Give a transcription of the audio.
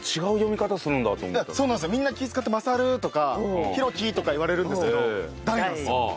みんな気ぃ使って「まさる」とか「ひろき」とか言われるんですけど「だい」なんですよ。